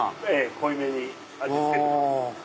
濃いめに味付けてます。